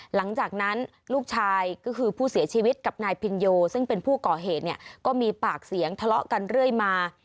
หลังจากนั้นลูกชายก็คือผู้เสียชีวิตกับนายพินโยซึ่งเป็นผู้ก่อเหตุเนี่ยก็มีปากเสียงทะเลาะกันเรื่อยมา